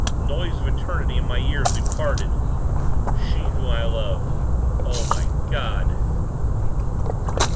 noise of eternity in my ears, we parted ... She whom I love. O, my God